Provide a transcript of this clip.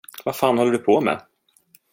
Vad fan håller du på med?